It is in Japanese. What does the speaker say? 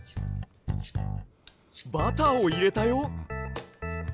バターをいれたよ。